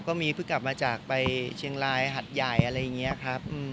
ก็มีเพิ่งกลับมาจากไปเชียงรายหัดใหญ่อะไรอย่างนี้ครับ